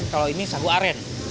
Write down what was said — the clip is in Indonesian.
kalau ini sagu aren